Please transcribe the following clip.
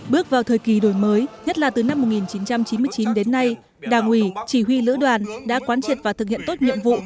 bước vào thời kỳ đổi mới nhất là từ năm một nghìn chín trăm chín mươi chín đến nay đảng ủy chỉ huy lữ đoàn đã quán triệt và thực hiện tốt nhiệm vụ